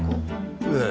ええ。